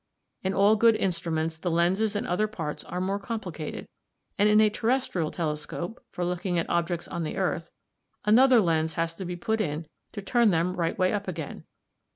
In all good instruments the lenses and other parts are more complicated; and in a terrestrial telescope, for looking at objects on the earth, another lens has to be put in to turn them right way up again.